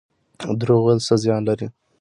دروغ ویل څه زیان لري؟